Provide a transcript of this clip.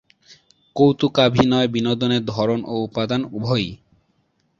কৌতুকাভিনয় বিনোদনের ধরন ও উপাদান উভয়ই।